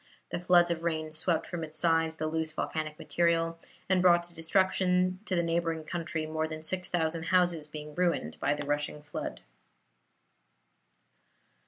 The floods of rain swept from its sides the loose volcanic material, and brought destruction to the neighboring country, more than six thousand houses being ruined by the rushing flood.